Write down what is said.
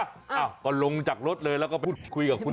อ้าวก็ลงจากรถเลยแล้วก็พูดคุยกับคุณ